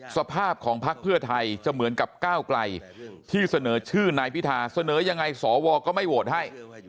สภาพของพักเพื่อไทยจะเหมือนกับก้าวไกลที่เสนอชื่อนายพิธาเสนอยังไงสวก็ไม่โหวตให้